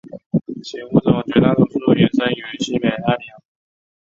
其物种绝大多数原生于西北太平洋。